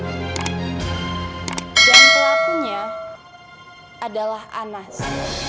dan pelakunya adalah anas